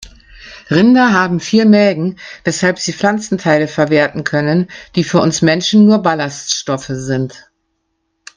Rinder haben vier Mägen, weshalb sie Pflanzenteile verwerten können, die für uns Menschen nur Ballaststoffe sind.